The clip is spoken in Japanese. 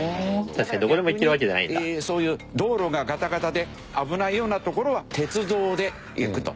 だから逆にそういう道路がガタガタで危ないような所は鉄道で行くと。